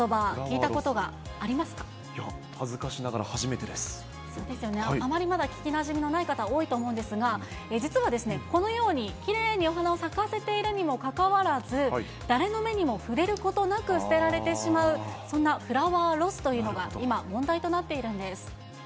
いや、恥ずかしながら初めてそうですよね、あまりまだ、聞きなじみのない方、多いと思うんですが、実は、このようにきれいにお花を咲かせているにもかかわらず、誰の目にも触れることなく捨てられてしまう、そんなフラワーロスというのが、今、問題となっているんです。